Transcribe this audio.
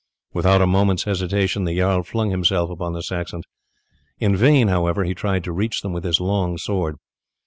Without a moment's hesitation the jarl flung himself upon the Saxons. In vain, however, he tried to reach them with his long sword.